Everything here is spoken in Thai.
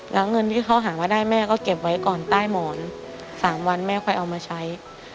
แล้วเงินที่เขาหามาได้แม่ก็เก็บไว้ก่อนใต้หมอน๓วันแม่ค่อยเอามาใช้